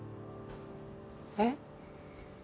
えっ？